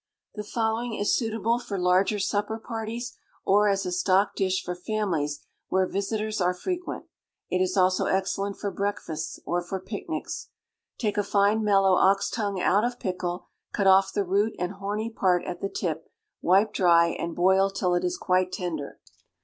The following is suitable for larger supper parties, or as a stock dish for families where visitors are frequent; it is also excellent for breakfasts, or for picnics : Take a fine mellow ox tongue out of pickle, cut off the root and horny part at the tip, wipe dry, and boil till it is quite tender.